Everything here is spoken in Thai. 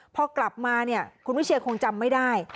พอกลับมาเนี่ยคุณวิเชียคงจำไม่ได้